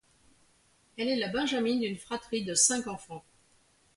Elle est la benjamine d'une fratrie de cinq enfants.